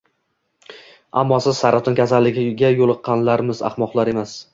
Ammo biz saraton kasaliga yo`liqqanlarmiz, ahmoqlar emas